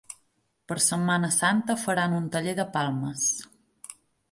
Per setmana santa faran un taller de palmes.